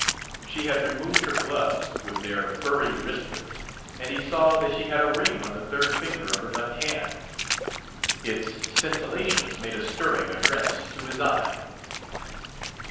She had removed her gloves with their furry wristlets, and he saw that she had a ring on the third finger of her left hand. Its scintillations made a stirring address to his eye.